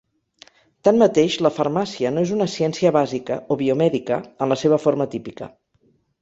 Tanmateix, la farmàcia no és una ciència bàsica o biomèdica en la seva forma típica.